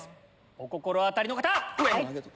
お心当たりの方！